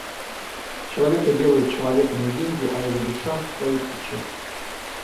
Человека делают человеком не деньги, а его душа, совесть и честь.